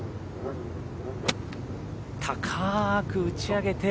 高く打ち上げて。